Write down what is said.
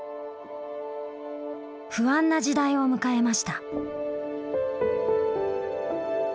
不安な時代を迎えました。